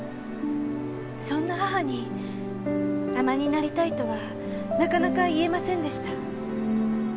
そんな母に海女になりたいとはなかなか言えませんでした。